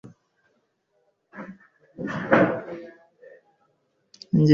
Njye ngenda mpakore isuku